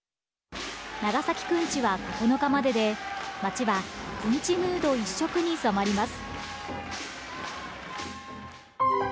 長崎くんちは９日までで、街はくんちムード一色に染まります。